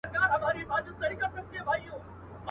مګر واوره ګرانه دوسته! زه چي مینه درکومه.